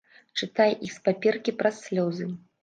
Чытае іх з паперкі праз слёзы.